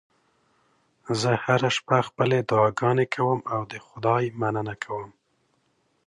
زه هره شپه خپلې دعاګانې کوم او د خدای مننه کوم